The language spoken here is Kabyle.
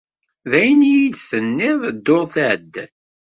D ayen i iyi-d-tenniḍ ddurt iɛeddan.